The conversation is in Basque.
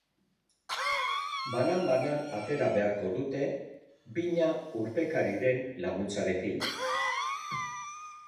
Banan-banan atera beharko dute, bina urpekariren laguntzarekin.